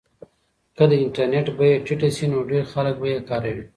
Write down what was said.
که د انټرنیټ بیه ټیټه شي نو ډېر خلک به یې کاروي.